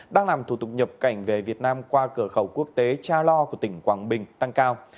đang làm thủ tục nhập cảnh về việt nam qua cửa khẩu quốc tế cha lo của tỉnh quảng bình tăng cao